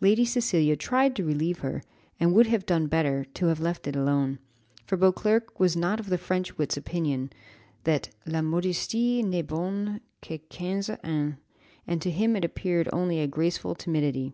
Lady Cecilia tried to relieve her; she would have done better to have let it alone, for Beauclerc was not of the French wit's opinion that, La modestie n'est bonne qu'à quinze ans, and to him it appeared only a graceful timidity.